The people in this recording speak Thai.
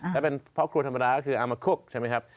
ถ้าเป็นพ่อครัวธรรมดาก็คืออามคกใช่ไหมครับ